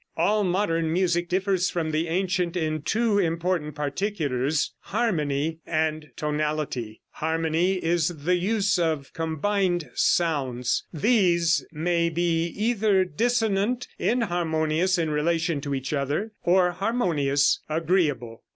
All modern music differs from the ancient in two important particulars Harmony and Tonality. Harmony is the use of combined sounds. These may be either dissonant, inharmonious in relation to each other, or harmonious, agreeable.